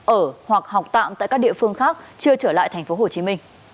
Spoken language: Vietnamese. ở hoặc học tạm tại các địa phương khác chưa trở lại tp hcm